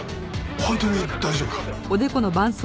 本当に大丈夫か？